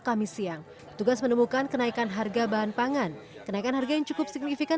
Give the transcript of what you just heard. kami siang tugas menemukan kenaikan harga bahan pangan kenaikan harga yang cukup signifikan